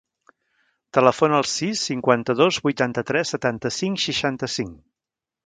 Telefona al sis, cinquanta-dos, vuitanta-tres, setanta-cinc, seixanta-cinc.